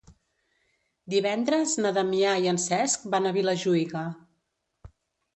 Divendres na Damià i en Cesc van a Vilajuïga.